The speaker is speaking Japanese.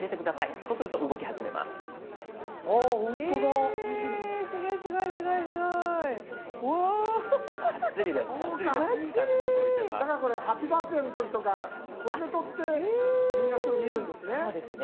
そうかだからこれハッピーバースデーの時とかこれで撮ってみんなすぐ見るんですね？